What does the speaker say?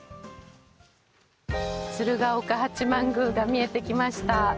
鶴岡八幡宮が見えてきました。